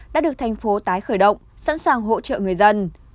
đã được thành phố tái khởi động sẵn sàng hỗ trợ người dân